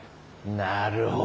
なるほど。